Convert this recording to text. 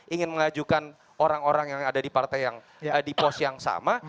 ingin mengajukan orang orang yang ada di partai yang di pos yang sama